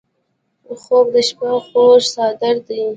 خوب د شپه خوږ څادر دی